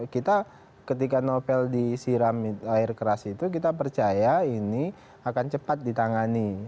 kita ketika novel disiram air keras itu kita percaya ini akan cepat ditangani